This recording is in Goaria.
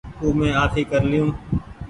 او مينٚ آڦي ڪر لئيو